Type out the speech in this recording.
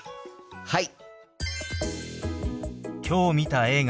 はい！